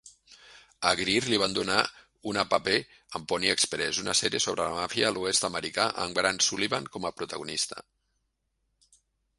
A Greer li van donar una paper en "Pony Express", una sèrie sobre la màfia a l'oest americà amb Grant Sullivan com a protagonista.